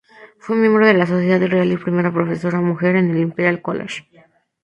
Fue miembro de la Sociedad Real y primera profesora mujer en el Imperial College.